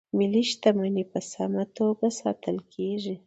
ملي شتمنۍ په سمه توګه ساتل کیږي.